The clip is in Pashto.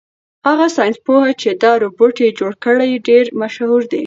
هغه ساینس پوه چې دا روبوټ یې جوړ کړ ډېر مشهور دی.